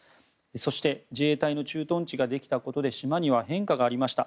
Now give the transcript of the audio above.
そして自衛隊の駐屯地ができたことで島には変化がありました。